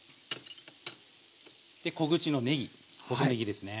小口のねぎ細ねぎですね。